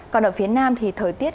còn ở phía nam thì thời tiết